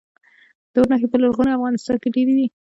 د اور نښې په لرغوني افغانستان کې ډیرې دي